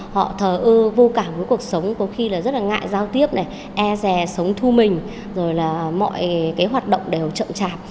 họ thờ ư vô cảm với cuộc sống có khi rất ngại giao tiếp e rè sống thu mình mọi hoạt động đều trợn trạp